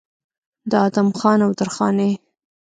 د ادم خان او درخانۍ